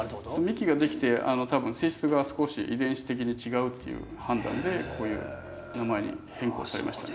幹ができて多分性質が少し遺伝子的に違うっていう判断でこういう名前に変更されました。